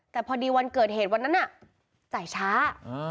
แต่พอดีวันเกิดเหตุวันนั้นน่ะจ่ายช้า